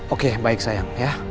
oke baik sayang ya